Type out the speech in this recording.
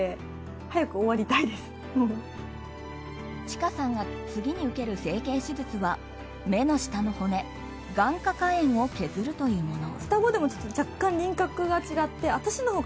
ちかさんが次に受ける整形手術は目の下の骨、眼窩下縁を削るというもの。